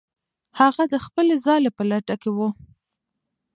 هغه د خپلې ځالې په لټه کې و.